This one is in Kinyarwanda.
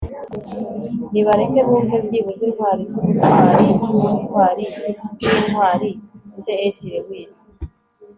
nibareke bumve byibuze intwari z'ubutwari n'ubutwari bw'intwari - c s lewis